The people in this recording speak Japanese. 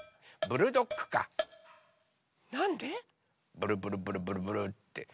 ブルブルブルブルブルって。